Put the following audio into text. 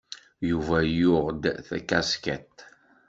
Yuba yuɣ-d takaskiḍt.